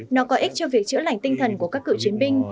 nó có ích cho việc chữa lành tinh thần của các cựu chiến binh